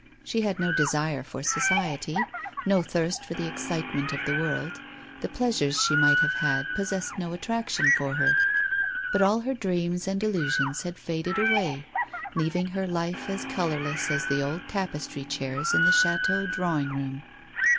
She had no desire for society, no thirst for the excitement of the world, the pleasures she might have had possessed no attraction for her, but all her dreams and illusions had faded away, leaving her life as colourless as the old tapestry chairs in the chateau drawing room.